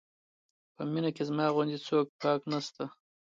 په مینه کې زما غوندې څوک پاک نه شته.